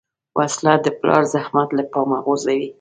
وسله د پلار زحمت له پامه غورځوي